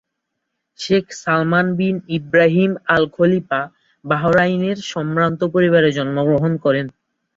Sheikh Salman bin Ibrahim Al Khalifa বাহরাইনের সম্ভ্রান্ত পরিবারে জন্মগ্রহণ করেন।